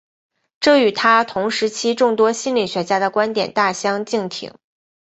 这与他同时期众多心理学家的观点大相径庭。